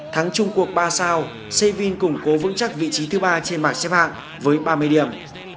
thắng chung cuộc ba sao sevin củng cố vững chắc vị trí thứ ba trên bảng xếp hạng với ba mươi điểm